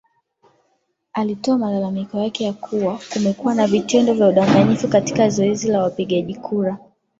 alitoa malalamiko yake kuwa kumekuwa na vitendo vya udanganyifu katika zoezi la wapigaji kura